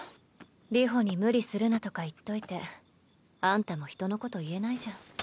流星に無理するなとか言っといてあんたも人のこと言えないじゃん。